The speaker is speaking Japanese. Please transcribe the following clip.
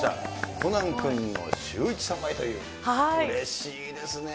コナン君のシューイチ様へという、うれしいですね。